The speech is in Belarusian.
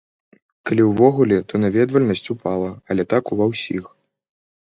Калі ўвогуле, то наведвальнасць упала, але так у ва ўсіх.